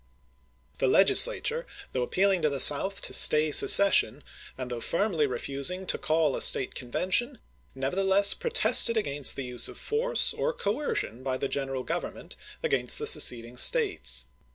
The Legislature, though appealing to the South to stay secession, and though firmly refusing to call a State Convention, nevertheless protested against the use of force or coercion by the General Government against the seceding States.